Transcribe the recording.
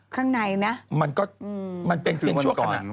ข้างในน่ะมันเป็นชั่วขณะ